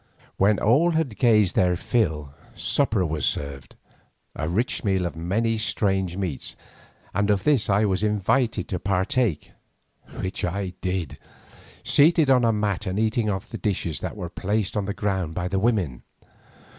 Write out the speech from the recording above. When all had gazed their fill supper was served, a rich meal of many strange meats, and of this I was invited to partake, which I did, seated on a mat and eating of the dishes that were placed upon the ground by the women.